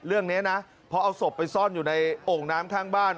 เรื่องนี้นะพอเอาศพไปซ่อนอยู่ในโอ่งน้ำข้างบ้าน